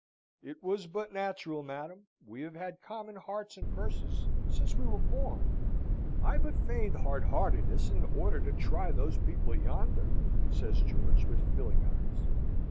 "It was but natural, madam. We have had common hearts and purses since we were born. I but feigned hard heartedness in order to try those people yonder," says George, with filling eyes.